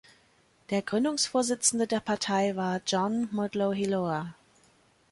Der Gründungsvorsitzende der Partei war John Motloheloa.